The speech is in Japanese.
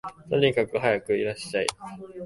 とにかくはやくいらっしゃい